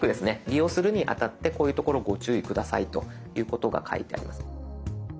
利用するにあたってこういうところご注意下さいということが書いてあります。